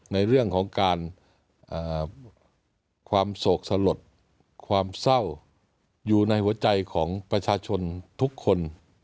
ในเรื่องของการความโศกสลดความเศร้าอยู่ในหัวใจของประชาชนทุกคน